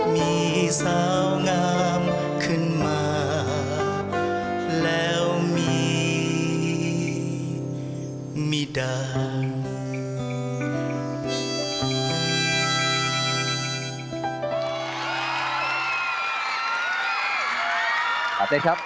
มีสาวงามขึ้นมาแล้วมีมีดัง